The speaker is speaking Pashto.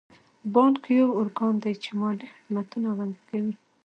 بانک یو ارګان دی چې مالي خدمتونه وړاندې کوي.